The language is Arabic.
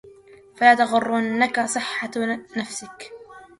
فَلَا تَغُرَّنَّكَ صِحَّةُ نَفْسِك